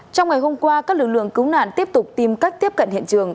trong ngày hôm qua các lực lượng cứu nạn tiếp tục tìm cách tiếp cận hiện trường